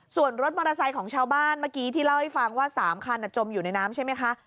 ส่วนรถมอเตอร์ไซค์ของชาวบ้านเมื่อกี้ที่เล่าให้ฟังว่า๓คันจมอยู่ในน้ำใช่ไหมคะ